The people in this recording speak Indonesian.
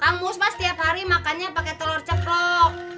kamu setiap hari makannya pakai telur ceplok